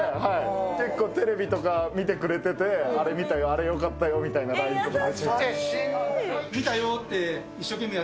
結構テレビとか見てくれてて、あれ見たよ、あれよかったよみたいなＬＩＮＥを。